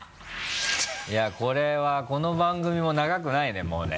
いやこれはこの番組も長くないねもうね。